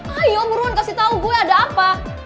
ayo buruan kasih tau gue ada apa